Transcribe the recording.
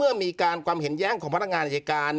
เมื่อมีการความเห็นแย้งของพนักงานอายการ